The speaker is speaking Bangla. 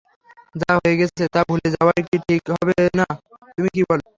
যা হয়ে গেছে তা ভুলে যাওয়াই কি ঠিক হবে না, তুমি কী বল?